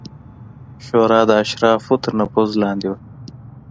شورا د اشرافو تر نفوذ لاندې وه